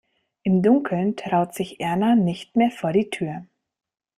Im Dunkeln traut sich Erna nicht mehr vor die Tür.